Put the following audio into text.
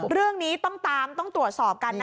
เรื่องนี้ต้องตามต้องตรวจสอบกันนะ